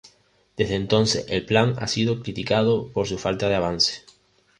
Desde entonces el plan ha sido criticado por su falta de avance.